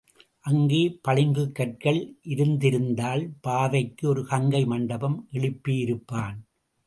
அங்கே பளிங்குக்கற்கள் இருந்திருந்தால் பாவைக்கு ஒரு கங்கை மண்டபம் எழுப்பி இருப்பான்.